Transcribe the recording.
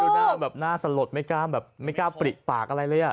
ดูหน้าแบบน่าสลดไม่กล้าปริกปากอะไรเลย